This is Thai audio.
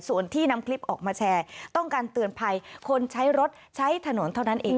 ส่วนที่นำคลิปออกมาแชร์ต้องการเตือนภัยคนใช้รถใช้ถนนเท่านั้นเอง